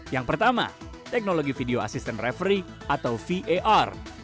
yang pertama teknologi video asisten referee atau var